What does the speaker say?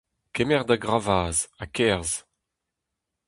Kemer da gravazh ha kerzh.